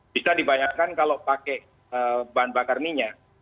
bisa dibayangkan kalau pakai bahan bakar minyak